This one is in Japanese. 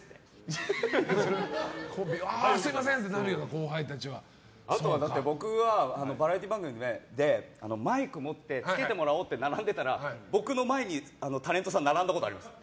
あ、すみませんってなるよなあとは僕はバラエティー番組でマイクをつけてもらおうって並んでたら僕の前にタレントさんが並んだことがあります。